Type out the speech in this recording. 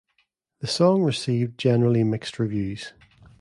The song received generally mixed reviews.